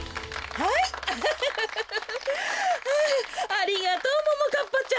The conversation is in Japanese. あありがとうももかっぱちゃん。